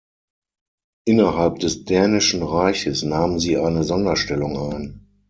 Innerhalb des dänischen Reiches nahmen sie eine Sonderstellung ein.